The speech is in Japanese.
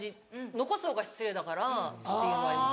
残す方が失礼だからっていうのはありますね。